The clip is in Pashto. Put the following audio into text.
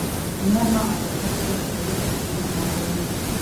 نرمه او پسته ژبه د سړي هډوکي هم ماتوي.